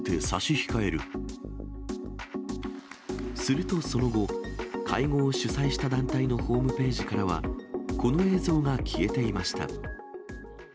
するとその後、会合を主催した団体のホームページからは、この映像が消えていました。